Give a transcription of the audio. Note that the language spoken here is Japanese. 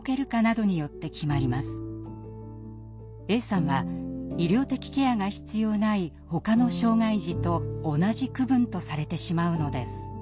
Ａさんは医療的ケアが必要ないほかの障害児と同じ区分とされてしまうのです。